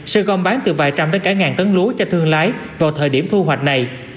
sẽ gom bán từ vài trăm đến cả ngàn tấn lúa cho thương lái vào thời điểm thu hoạch này